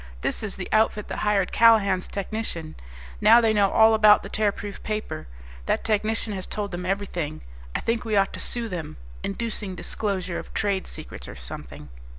"This is the outfit that hired Callahan's technician. Now they know all about the Tearproof Paper. That technician has told them everything. I think we ought to sue them inducing disclosure of trade secrets, or something."